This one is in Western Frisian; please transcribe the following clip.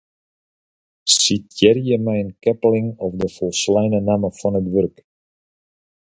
Sitearje mei in keppeling of de folsleine namme fan it wurk.